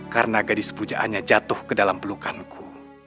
karena gadis pujaannya jatuh ke dalam pelukanku